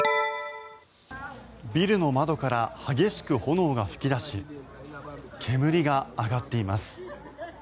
ビルの窓から激しく炎が噴き出し煙が上がっています。